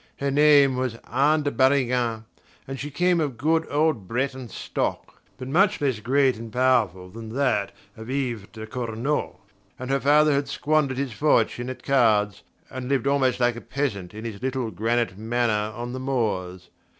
Her name was Anne de Barrigan, and she came of good old Breton stock, but much less great and powerful than that of Yves de Cornault; and her father had squandered his fortune at cards, and lived almost like a peasant in his little granite manor on the moors...